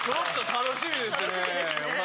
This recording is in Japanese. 楽しみですね。